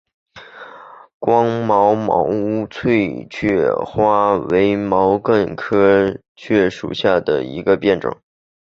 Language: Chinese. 光果毛翠雀花为毛茛科翠雀属下的一个变种。